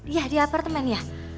iya di apartemen ya